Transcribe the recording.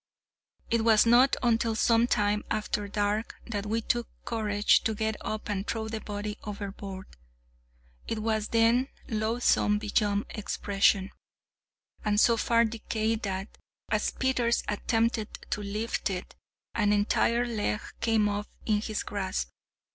It was not until some time after dark that we took courage to get up and throw the body overboard. It was then loathsome beyond expression, and so far decayed that, as Peters attempted to lift it, an entire leg came off in his grasp.